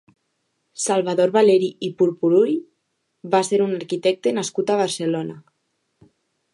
Salvador Valeri i Pupurull va ser un arquitecte nascut a Barcelona.